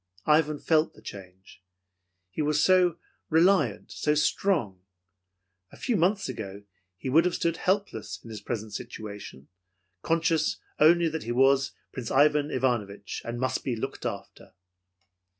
Ivan felt the change; he was so reliant, so strong. A few months ago, he would have stood helpless in his present situation, conscious only that he was Prince Ivan Ivanovich and must be looked after.